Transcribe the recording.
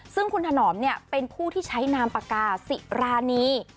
ซึ่งคุณถนอมเป็นผู้ที่ใช้นามปากกาศิรานี